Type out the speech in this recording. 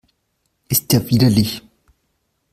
Ist ja widerlich!